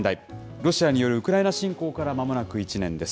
ロシアによるウクライナ侵攻からまもなく１年です。